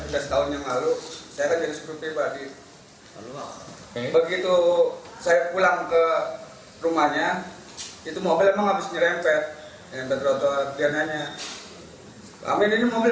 sejak kemarin saya pulang ke rumahnya mobil saya sudah mampu menempel